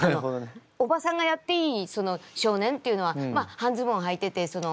おばさんがやっていい少年っていうのはまあ半ズボンはいててそのまあ